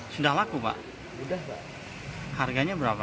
sudah laku pak harganya berapa